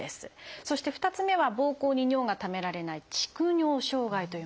そして２つ目はぼうこうに尿がためられない「蓄尿障害」というもの。